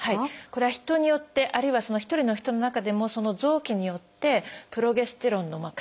これは人によってあるいはその１人の人の中でもその臓器によってプロゲステロンの感じ方